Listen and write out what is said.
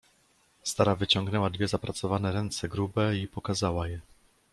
"Stara wyciągnęła dwie zapracowane ręce grube i pokazała je."